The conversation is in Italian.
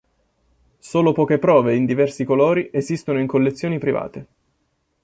Solo poche prove in diversi colori esistono in collezioni private.